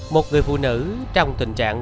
một người phụ nữ trong tình trạng